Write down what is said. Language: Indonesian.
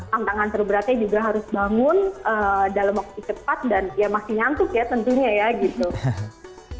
tantangan terberatnya juga harus bangun dalam waktu cepat dan ya masih nyantuk ya tentunya ya gitu